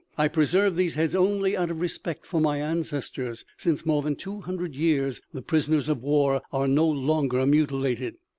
I preserve these heads only out of respect for my ancestors. Since more than two hundred years, the prisoners of war are no longer mutilated.